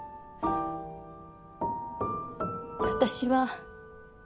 私は。